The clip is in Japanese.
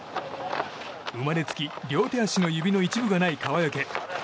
生まれつき両手足の指の一部がない川除。